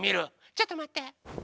ちょっとまって。